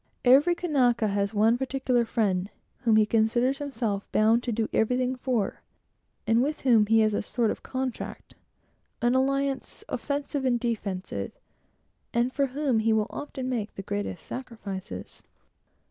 Every Kanaka has one particular friend, whom he considers himself bound to do everything for, and with whom he has a sort of contract, an alliance offensive and defensive, and for whom he will often make the greatest sacrifices.